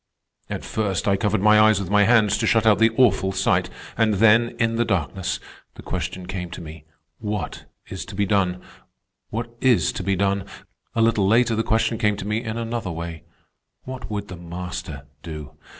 At first I covered my eyes with my hands to shut out the awful sight, and then, in the darkness, the question came to me: What is to be done? What is to be done? A little later the question came to me in another way: What would the Master do?